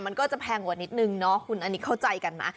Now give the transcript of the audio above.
มันก็จะแพงกว่านิดนึงเนาะคุณอันนี้เข้าใจกันไหม